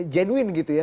jenuin gitu ya